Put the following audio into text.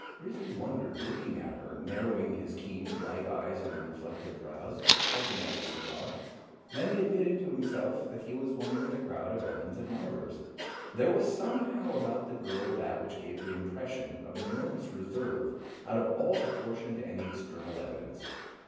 Risley wondered, looking at her, narrowing his keen, light eyes under reflective brows, puffing at his cigar; then he admitted to himself that he was one with the crowd of Ellen's admirers. There was somehow about the girl that which gave the impression of an enormous reserve out of all proportion to any external evidence.